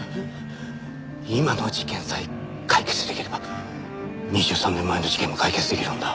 今の事件さえ解決出来れば２３年前の事件も解決出来るんだ。